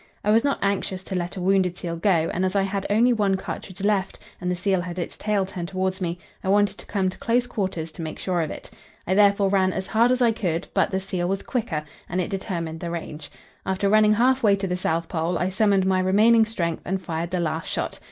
I was not anxious to let a wounded seal go, and as I had only one cartridge left, and the seal had its tail turned towards me, I wanted to come to close quarters to make sure of it. I therefore ran as hard as I could, but the seal was quicker, and it determined the range. After running half way to the South Pole, I summoned my remaining strength and fired the last shot.